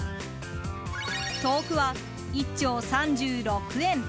豆腐は１丁３６円。